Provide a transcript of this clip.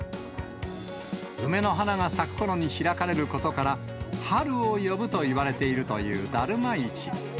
梅の花が咲くころに開かれることから、春を呼ぶといわれているというだるま市。